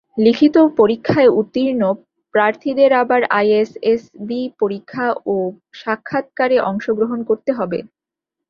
লিখিত পরীক্ষায় উত্তীর্ণ প্রার্থীদের আবার আইএসএসবি পরীক্ষা ও সাক্ষাৎকারে অংশগ্রহণ করতে হবে।